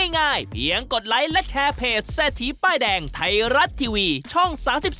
ง่ายเพียงกดไลค์และแชร์เพจเศรษฐีป้ายแดงไทยรัฐทีวีช่อง๓๒